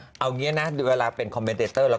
เอาอย่างนี้นะเวลาเป็นคอมเมนเตเตอร์แล้ว